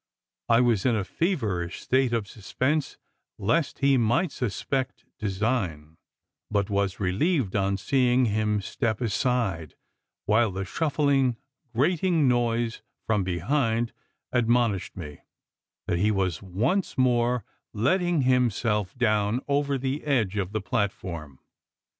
I was in a feverish state of suspense lest he might suspect design; but was relieved on seeing him step aside while the shuffling grating noise from behind admonished me, that he was once more letting himself down over the edge of the platform.